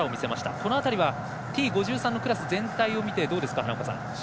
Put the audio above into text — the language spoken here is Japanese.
この辺りはＴ５３のクラス全体を見てどうですか？